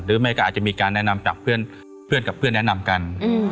หรือไม่ก็อาจจะมีการแนะนำจากเพื่อนเพื่อนกับเพื่อนแนะนำกันอืม